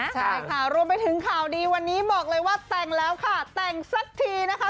ใช่ค่ะรวมไปถึงข่าวดีวันนี้บอกเลยว่าแต่งแล้วค่ะแต่งสักทีนะคะ